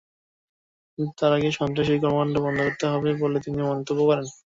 কিন্তু তার আগে সন্ত্রাসী কর্মকাণ্ড বন্ধ করতে হবে বলে তিনি মন্তব্য করেন।